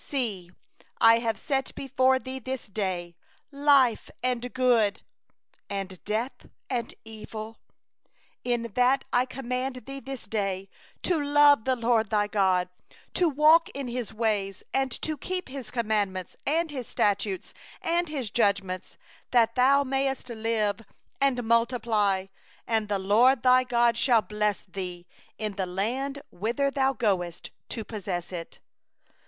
15See, I have set before thee this day life and good, and death and evil, 16in that I command thee this day to love the LORD thy God, to walk in His ways, and to keep His commandments and His statutes and His ordinances; then thou shalt live and multiply, and the LORD thy God shall bless thee in the land whither thou goest in to possess it.